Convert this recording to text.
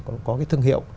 có cái thương hiệu